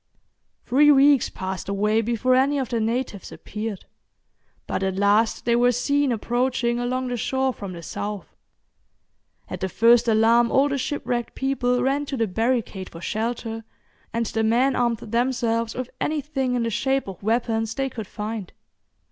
Three weeks passed away before any of the natives appeared, but at last they were seen approaching along the shore from the south. At the first alarm all the ship wrecked people ran to the barricade for shelter, and the men armed themselves with anything in the shape of weapons they could find.